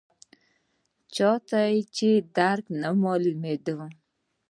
چاته یې درک نه معلومېده.